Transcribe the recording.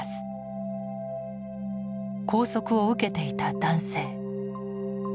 拘束を受けていた男性。